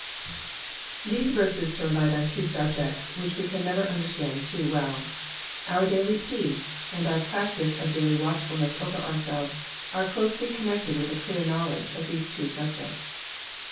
These verses throw light on two sabjects which we can never understand too well. Oar daily peace and onr prac tice of daily watchfulness over ourselves are closely con nected with a clear knowledge of these two subjects.